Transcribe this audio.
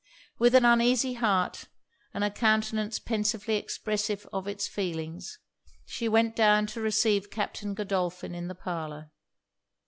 With an uneasy heart, and a countenance pensively expressive of it's feelings, she went down to receive Captain Godolphin in the parlour.